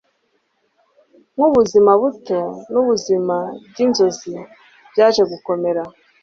nkubuzima buto nubuzima byinzozi byaje gukomera